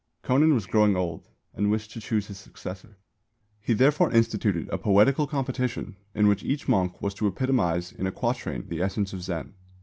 Kōnin was growing old and wished to choose his successor. He therefore instituted a poetical competition in which each monk was to epitomise in a quatrain the essence of Zen.